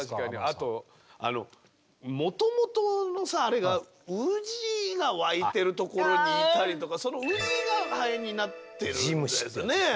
あともともとのさああれがウジが湧いてるところにいたりとかそのウジがハエになってるんですよね。